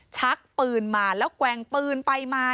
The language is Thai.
ชักปืนมาแล้วแกว่งปืนไปมา